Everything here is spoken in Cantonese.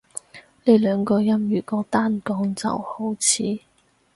呢兩個音如果單講就好似